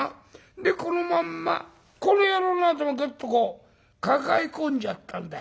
でこのまんまこの野郎の頭をグッとこう抱え込んじゃったんだよ。